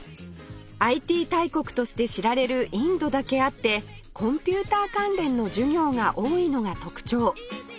ＩＴ 大国として知られるインドだけあってコンピューター関連の授業が多いのが特徴